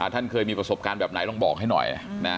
ท่านเคยมีประสบการณ์แบบไหนลองบอกให้หน่อย